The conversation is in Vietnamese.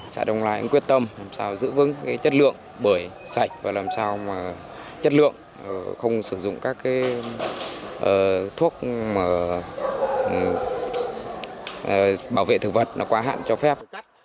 xã đông lạc quyết tâm làm sao giữ vững chất lượng bưởi sạch và làm sao chất lượng không sử dụng các thuốc bảo vệ thực vật quá hạn cho phép